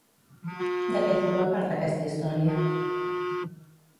De què forma part aquesta història?